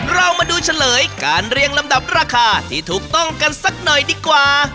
เรามาดูเฉลยการเรียงลำดับราคาที่ถูกต้องกันสักหน่อยดีกว่า